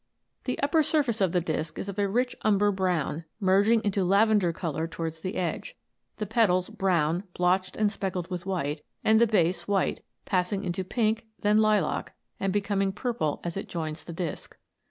The upper surface of the disc is of a rich umber brown, merging into lavender colour towards the edge ; the petals brown, blotched and speckled with white, and the base white, passing into pink, then lilac, and becoming purple as it joins the disc.